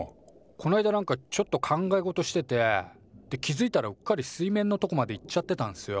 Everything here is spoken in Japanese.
こないだなんかちょっと考え事しててって気づいたらうっかり水面のとこまで行っちゃってたんすよ。